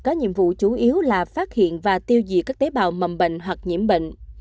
có nhiệm vụ chủ yếu là phát hiện và tiêu diệt các tế bào mầm bệnh hoặc nhiễm bệnh